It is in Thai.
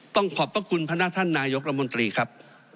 ขอบพระคุณพนักท่านนายกรัฐมนตรีครับ